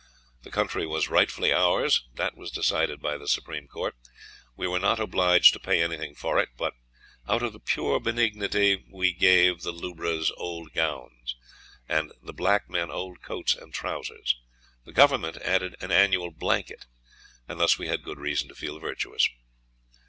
The country was rightfully ours; that was decided by the Supreme Court; we were not obliged to pay anything for it, but out of pure benignity we gave the lubras old gowns, and the black men old coats and trousers; the Government added an annual blanket, and thus we had good reason to feel virtuous.